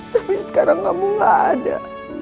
tapi sekarang kamu gak ada